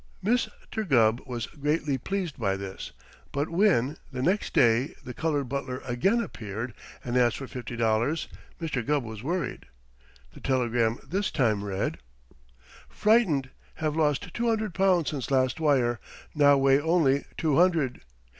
Mr. Gubb was greatly pleased by this, but when, the next day, the colored butler again appeared and asked for fifty dollars Mr. Gubb was worried. The telegram this time read: Frightened. Have lost two hundred pounds since last wire, now weigh only two hundred.